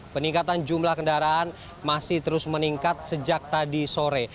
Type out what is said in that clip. peningkatan jumlah kendaraan masih terus meningkat sejak tadi sore